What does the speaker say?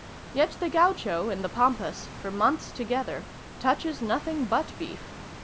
Yet the Gaucho in the Pampas, for months together, touches nothing but beef.